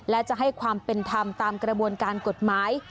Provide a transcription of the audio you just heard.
และจะให้ความเป็นธรรมตามกระบวนการกฎหมาย